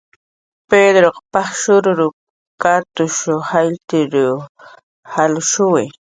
"Pedruq paj shururup"" katshuw jaylltir jalshuwi"